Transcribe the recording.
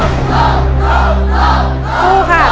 สู้ค่ะ